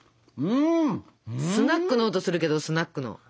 スナックの音するけどスナックの。